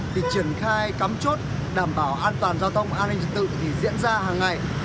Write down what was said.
thì triển khai cắm chốt đảm bảo an toàn giao thông an ninh trật tự thì diễn ra hàng ngày